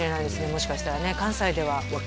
もしかしたらね関西ではうわ